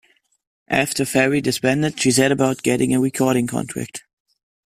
After Fari disbanded she set about getting a recording contract.